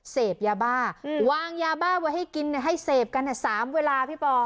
เสพยาบ้าวางยาบ้าไว้ให้กินให้เสพกัน๓เวลาพี่ปอ